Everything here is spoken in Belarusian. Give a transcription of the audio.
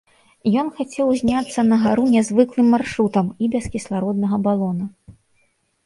Ён хацеў узняцца на гару нязвыклым маршрутам і без кіслароднага балона.